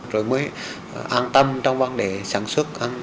rồi mới an tâm trong vấn đề sản xuất